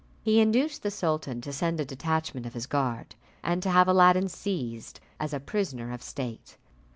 He induced the sultan to send a detachment of his guard, and to have Aladdin seized as a prisoner of state.